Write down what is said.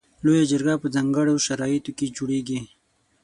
لویه جرګه په ځانګړو شرایطو کې جوړیږي.